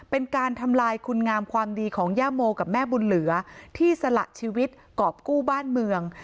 เป็นการทำลายคุณงามความดีของย่าโมกับแม่บุญเหลือที่สละชีวิตกรอบกู้บ้านเมือง